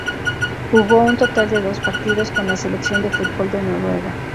Jugó un total de dos partidos con la selección de fútbol de Noruega.